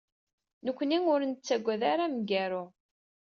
Nekkni ur nettaggad ara amgaru.